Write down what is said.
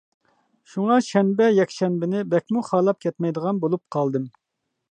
شۇڭا شەنبە يەكشەنبىنى بەكمۇ خالاپ كەتمەيدىغان بولۇپ قالدىم.